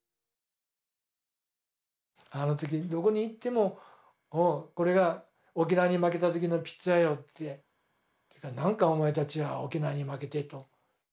あの時どこに行っても「これが沖縄に負けた時のピッチャーよ」って。「なんかお前たちは沖縄に負けて」と。